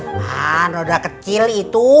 iya kan roda kecil itu